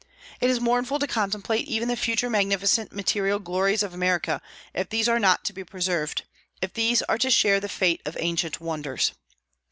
It is mournful to contemplate even the future magnificent material glories of America if these are not to be preserved, if these are to share the fate of ancient wonders.